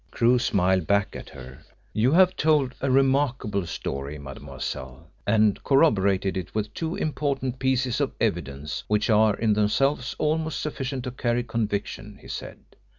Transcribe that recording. Crewe smiled back at her. "You have told a remarkable story, mademoiselle, and corroborated it with two important pieces of evidence, which are in themselves almost sufficient to carry conviction," he said.